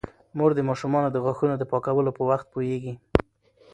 مور د ماشومانو د غاښونو د پاکولو په وخت پوهیږي.